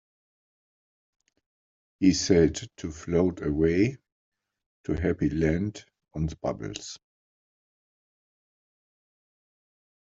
He said to float away to Happy Land on the bubbles.